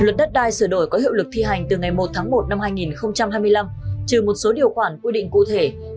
luật đất đai sửa đổi có hiệu lực thi hành từ ngày một tháng một năm hai nghìn hai mươi năm trừ một số điều khoản quy định cụ thể